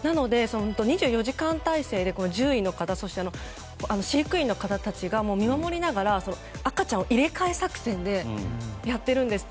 ２４時間態勢で、獣医の方そして飼育員の方たちが見守りながら赤ちゃんを入れ替え作戦でやっているんですって。